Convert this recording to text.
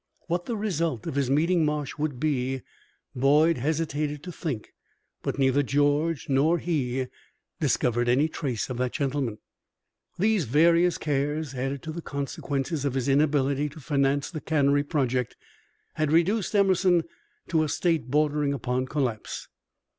What the result of his meeting Marsh would be Boyd hesitated to think, but neither George nor he discovered any trace of that gentleman. These various cares, added to the consequences of his inability to finance the cannery project, had reduced Emerson to a state bordering upon collapse.